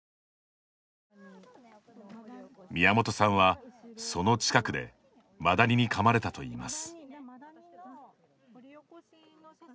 宮本さんは、その近くでマダニにかまれたといいます。